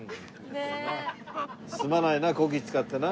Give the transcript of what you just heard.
すまないなこき使ってな。